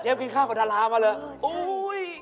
เจ๊กินข้าวกับดารามาเลย